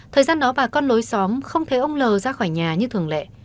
thời gian đó và con lối xóm không thấy ông l ra khỏi nhà như thường lệ